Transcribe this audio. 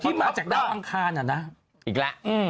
ที่มาจากด้านอ่างคาวน่ะนะอีกละ